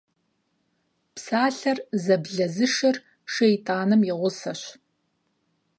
Псалъэр зэблэзышыр шэйтӏаным и гъусэщ.